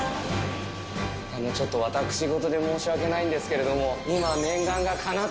ちょっと私事で申し訳ないんですけれども。